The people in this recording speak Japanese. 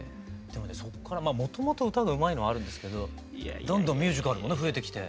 でもねそこからもともと歌がうまいのはあるんですけどどんどんミュージカルもね増えてきて。